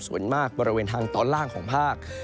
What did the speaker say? ส่วนมากบริเวณทางตอนล่างของภาค